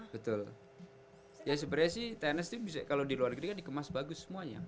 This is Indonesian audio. betul ya sebenarnya sih tennis kalau di luar negeri dikemas bagus semuanya